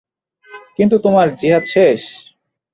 কিন্তু তোমার জিহাদ শেষ।